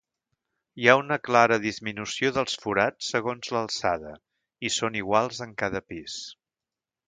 Hi ha una clara disminució dels forats segons l'alçada, i són iguals en cada pis.